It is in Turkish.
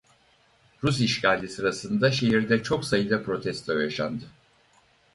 Rus işgali sırasında şehirde çok sayıda protesto yaşandı.